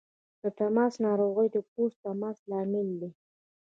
د تماس ناروغۍ د پوست تماس له امله دي.